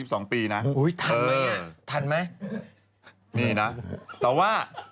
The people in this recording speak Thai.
มีนะแต่ว่า